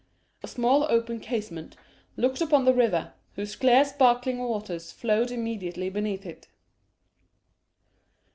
A small open casement looked upon the river, whose clear sparkling waters flowed immediately beneath it.